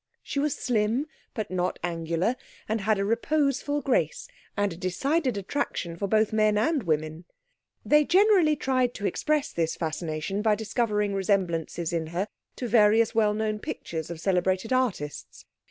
She was slim, but not angular, and had a reposeful grace and a decided attraction for both men and women. They generally tried to express this fascination by discovering resemblances in her to various well known pictures of celebrated artists.